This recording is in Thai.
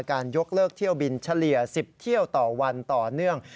ยกเลิกเที่ยวบินเฉลี่ย๑๐เที่ยวต่อวันต่อเนื่อง